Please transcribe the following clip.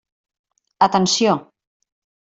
Atenció!